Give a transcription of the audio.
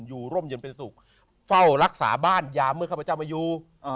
ร่มเย็นเป็นสุขเฝ้ารักษาบ้านยามเมื่อข้าพเจ้ามาอยู่